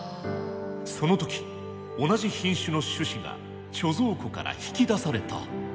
その時同じ品種の種子が貯蔵庫から引き出された。